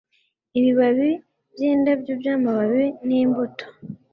Ibibabi byindabyo byamababi n'imbuto